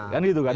kan gitu kan